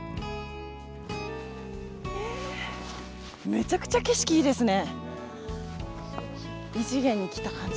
めちゃくちゃ景色いいですね。